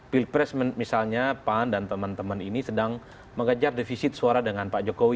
pilpres misalnya pan dan teman teman ini sedang mengejar defisit suara dengan pak jokowi